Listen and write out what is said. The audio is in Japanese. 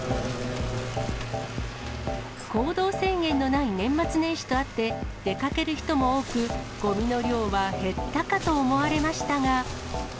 行動制限のない年末年始とあって、出かける人も多く、ごみの量は減ったかと思われましたが。